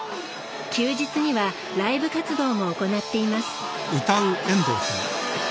休日にはライブ活動も行っています。